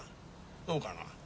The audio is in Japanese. そうかな。